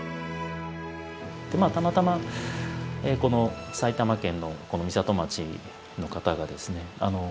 たまたまこの埼玉県の美里町の方がですね